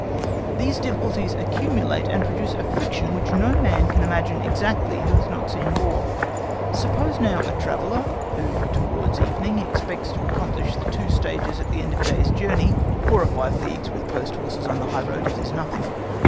These difficulties accumulate and produce a friction which no man can imagine exactly who has not seen War, Suppose now a traveller, who towards evening expects to accomplish the two stages at the end of his day's journey, four or five leagues, with post horses, on the high road—it is nothing.